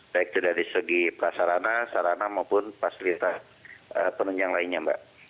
baik itu dari segi prasarana sarana maupun fasilitas penunjang lainnya mbak